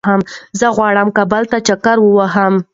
زه غواړم کابل ته چکر ووهم